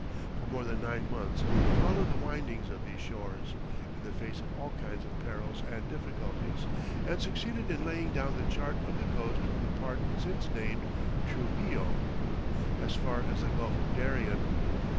For more than nine months he followed the windings of these shores, in the face of all kinds of perils and difficulties, and succeeded in laying down the chart of the coast from the part since named Truxillo, as far as the Gulf of Darien.